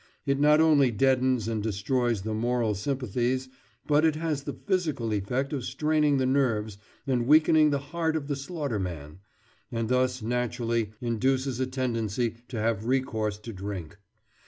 It not only deadens and destroys the moral sympathies, but it has the physical effect of straining the nerves and weakening the heart of the slaughterman, and thus naturally induces a tendency to have recourse to drink.